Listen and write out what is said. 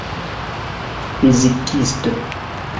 fizikisto